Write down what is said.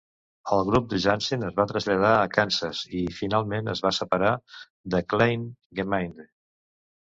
El grup de Jansen es va traslladar a Kansas i, finalment, es va separar de Kleine Gemeinde.